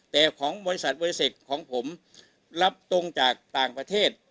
แต่ของบริษัทเวคของผมรับตรงจากต่างประเทศ